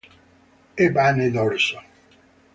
E pane d'orzo.